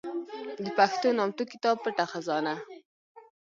د پښتو نامتو کتاب پټه خزانه